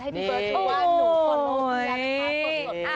ให้พี่เบิร์ดดูว่า